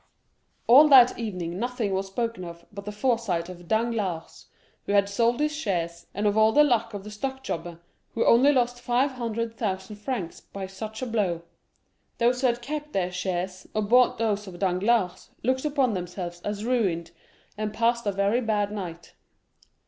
All that evening nothing was spoken of but the foresight of Danglars, who had sold his shares, and of the luck of the stock jobber, who only lost five hundred thousand francs by such a blow. Those who had kept their shares, or bought those of Danglars, looked upon themselves as ruined, and passed a very bad night.